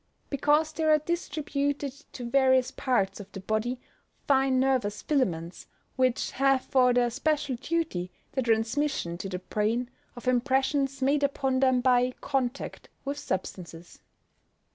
_ Because there are distributed to various parts of the body fine nervous filaments, which have for their special duty the transmission to the brain of impressions made upon them by contact with substances.